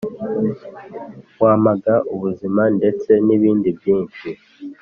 wamaga ubuzima ndetse nibindi byinshi;